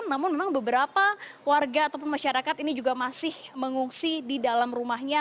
dan beberapa warga ataupun masyarakat ini juga masih mengungsi di dalam rumahnya